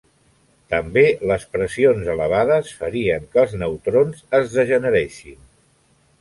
També, les pressions elevades farien que els neutrons es degeneressin.